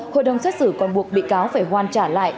hội đồng xét xử còn buộc bị cáo phải hoàn trả lại